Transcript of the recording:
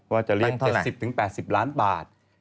ว่าจะเรียน๗๐๘๐ล้านบาท